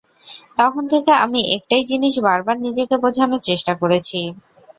তখন থেকে আমি একটাই জিনিস বার বার নিজেকে বোঝানোর চেষ্টা করেছি।